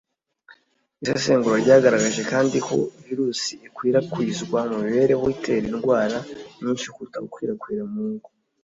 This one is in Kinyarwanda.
Isesengura ryagaragaje kandi ko virusi ikwirakwizwa mu mibereho itera indwara nyinshi kuruta gukwirakwira mu ngo.